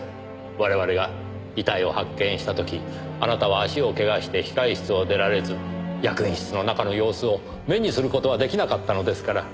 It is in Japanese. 我々が遺体を発見した時あなたは足をけがして控室を出られず役員室の中の様子を目にする事は出来なかったのですから。